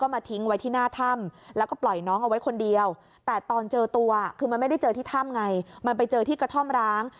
มันไปเจอที่กระท่อมร้าง